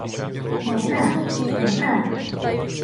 — Добре... Добре…